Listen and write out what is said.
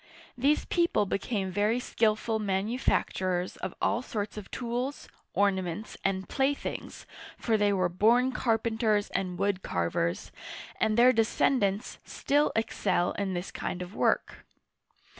These people became very skillful manufacturers of all sorts of tools, ornaments, and playthings, for they were born carpenters and wood carvers, and their descendants still excel in this kind of work.